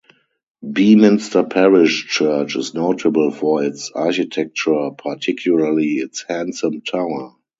Beaminster parish church is notable for its architecture, particularly its handsome tower.